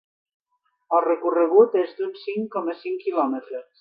El recorregut és d’uns cinc coma cinc quilòmetres.